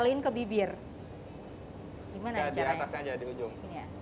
di atas saja di ujung